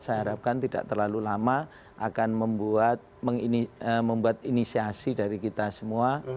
saya harapkan tidak terlalu lama akan membuat inisiasi dari kita semua